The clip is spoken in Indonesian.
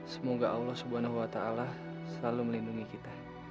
semoga allah swt selalu melindungi kita